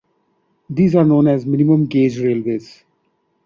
These are known as minimum gauge railways.